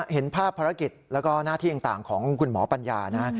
เห็นภาพภารกิจแล้วก็หน้าที่ต่างของคุณหมอปัญญานะ